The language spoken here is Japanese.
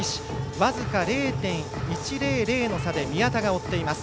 僅か０．１００の差で宮田が追っています。